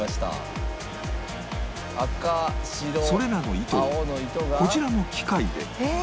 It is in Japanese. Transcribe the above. それらの糸をこちらの機械で